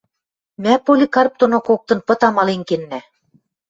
Мӓ Поликарп доно коктын пыт амален кеннӓ